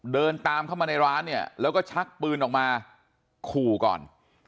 เดินตามเข้ามาในร้านเนี่ยแล้วก็ชักปืนออกมาขู่ก่อน